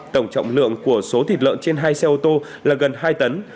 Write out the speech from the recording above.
tổng trọng lượng của số thịt lợn trên hai xe ô tô là gần hai tấn